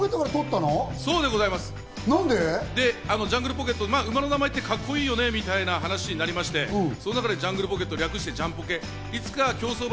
あのジャングルポケットから馬の名前ってカッコいいよねみたいな話になりまして、ジャングルポケット、略してジャンポケ。